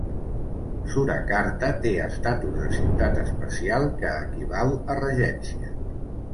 Surakarta té estatus de ciutat especial, que equival a regència.